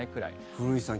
古市さん